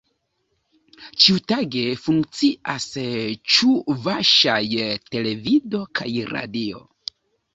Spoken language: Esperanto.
Ĉiutage funkcias ĉuvaŝaj televido kaj radio.